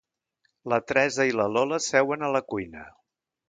La Teresa i la Lola seuen a la cuina.